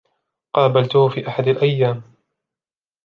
قابلته في أحد الأيام.